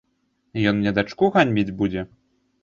Ён мне дачку ганьбіць будзе?!